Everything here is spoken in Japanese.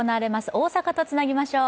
大阪とつなぎましょう。